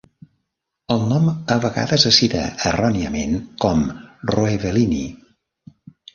El nom ha vegades es cita erròniament com "roebelinii".